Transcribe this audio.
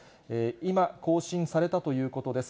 今、更新されたということです。